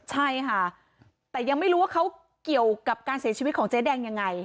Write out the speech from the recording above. ใช่ค่ะแต่ยังไม่รู้ว่าเขาเกี่ยวกับการเสียชีวิตของเจ๊แดงยังไง